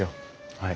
はい。